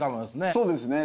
そうですね。